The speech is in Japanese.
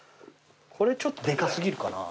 これちょっとでか過ぎるかな？